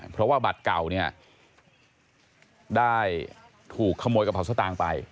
เพราะว่าบัตรเก่าได้ถูกขโมยกับเผาสตางค์ไป